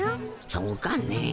そうかね？